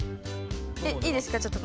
えっいいですかちょっと。